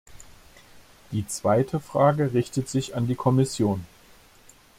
Die zweite Frage richtet sich an die Kommission.